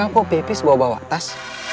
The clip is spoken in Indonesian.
haika kok pepis bawa bawa tas